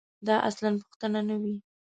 دا اصلاً پوښتنه نه وي.